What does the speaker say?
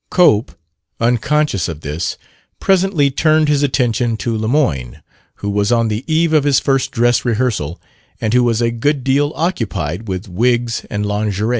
Cope, unconscious of this, presently turned his attention to Lemoyne, who was on the eve of his first dress rehearsal and who was a good deal occupied with wigs and lingerie.